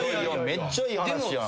めっちゃいい話やん。